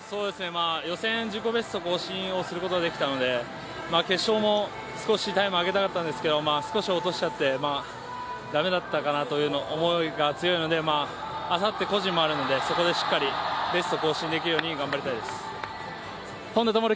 予選、自己ベスト更新することができたので、決勝も少しタイムを上げたかったんですけど、少し落としちゃって駄目だったかなという思いが強いのであさって個人もあるのでそこでしっかりベスト更新できるように頑張りたいです。